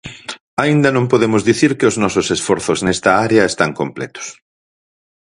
Aínda non podemos dicir que os nosos esforzos nesta área están completos.